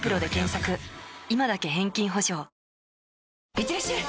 いってらっしゃい！